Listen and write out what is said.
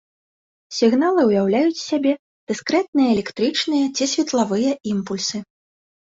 Сігналы ўяўляюць з сябе дыскрэтныя электрычныя ці светлавыя імпульсы.